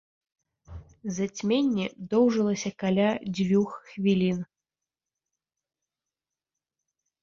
Зацьменне доўжылася каля дзвюх хвілін.